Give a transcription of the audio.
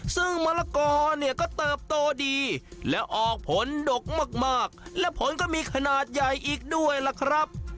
ซึ่งมะละกอเนี่ยก็เติบโตดีและออกผลดกมากและผลก็มีขนาดใหญ่อีกด้วยล่ะครับ